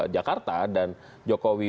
jakarta dan jokowi